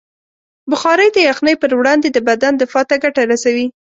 بخاري د یخنۍ پر وړاندې د بدن دفاع ته ګټه رسوي.